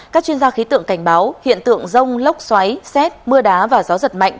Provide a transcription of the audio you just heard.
các chuyên gia khí tượng cảnh báo hiện tượng rông lốc xoáy xét mưa đá và gió giật mạnh